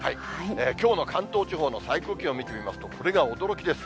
きょうの関東地方の最高気温見てみますと、これが驚きです。